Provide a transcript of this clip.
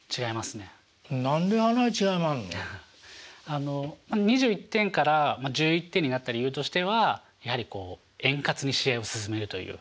あの２１点から１１点になった理由としてはやはりこう円滑に試合を進めるという。